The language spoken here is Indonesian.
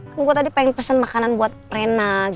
lagian phosphate makanan perak